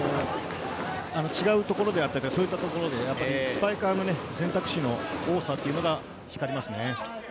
違うところだったりそういったところでスパイカーの選択肢の多さというのが光りますね。